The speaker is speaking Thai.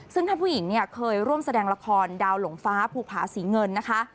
ซึ่งท่านผู้หญิงเคยร่วมแสดงละครดาวหลงฟ้าภูภาษีเงินนะคะ